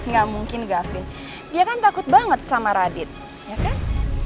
nggak mungkin gavin dia kan takut banget sama radit ya kan